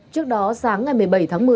trước đó sáng ngày một mươi bảy tháng một mươi